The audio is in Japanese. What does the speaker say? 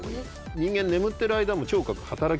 人間眠ってる間も聴覚働き続ける。